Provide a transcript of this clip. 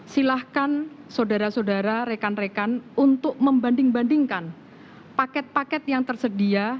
silahkan saudara saudara rekan rekan untuk membanding bandingkan paket paket yang tersedia